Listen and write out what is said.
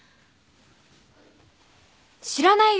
知らないよ